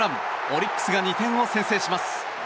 オリックスが２点を先制します。